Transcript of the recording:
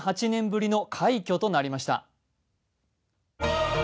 ２８年ぶりの快挙となりました。